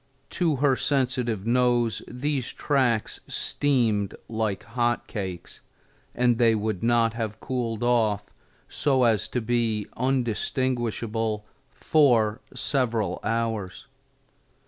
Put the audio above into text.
To her sensitive nose these tracks steamed like hot cakes, and they would not have cooled off so as to be undistinguishable for several hours.